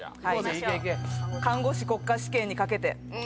看護師国家試験に懸けて。